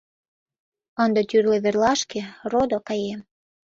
Ынде тӱрлӧ верлашке, родо, каем